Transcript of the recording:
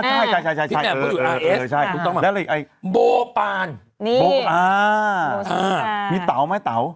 ใช่ใช่ใช่ใช่ใช่ใช่แล้วอะไรอีกโบปานนี่อ่าอ่ามีเต๋าไหมเต๋า